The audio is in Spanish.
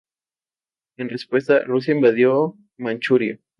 En respuesta, Rusia invadió Manchuria.